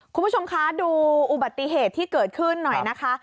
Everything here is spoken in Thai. คุณผู้ชมคะดูอุบัติเหตุที่เกิดขึ้นหน่อยนะคะ